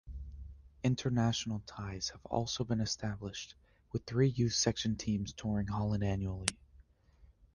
International ties have also been established, with three youth section teams touring Holland annually.